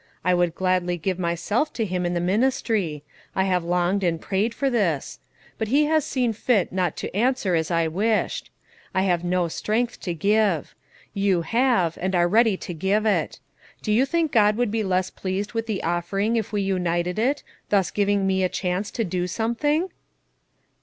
I would gladly give myself to Him in the ministry; I have longed and prayed for this; but He has seen fit not to answer as I wished. I have no strength to give; you have, and are ready to give it. Do you think God would be less pleased with the offering if we united it, thus giving me a chance to do something?"